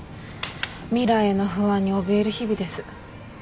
未来の不安におびえる日々です。